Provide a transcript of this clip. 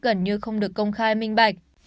gần như không được công khai minh bạch